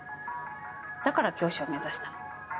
だから教師を目指したの。